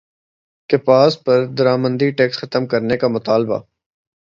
کپاس پر درامدی ٹیکس ختم کرنے کا مطالبہ